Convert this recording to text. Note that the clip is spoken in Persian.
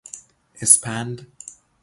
اِسپند